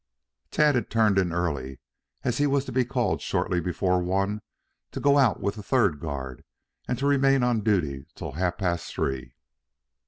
Tad had turned in early, as he was to be called shortly before one to go out with the third guard and to remain on duty till half past three.